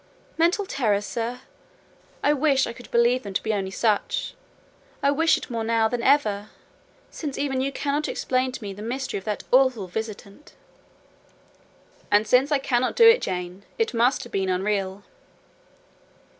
"Mental terrors, sir! I wish I could believe them to be only such: I wish it more now than ever; since even you cannot explain to me the mystery of that awful visitant." "And since I cannot do it, Jane, it must have been unreal."